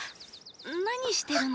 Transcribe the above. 何してるの？